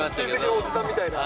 おじさんみたいな。